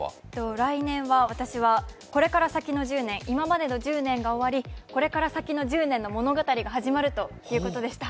来年は私はこれから先の１０年、今までの１０年が終わりこれから先の１０年の物語が始まるということでした。